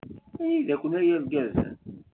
Anida-ken a yirgazen?